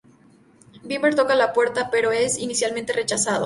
Bieber toca a la puerta, pero es inicialmente rechazado.